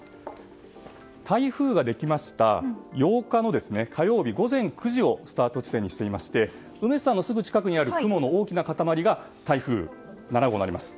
台風ができました８日の火曜日午前９時をスタート地点にしてみまして梅津さんの近くにある雲の大きな塊が台風７号です。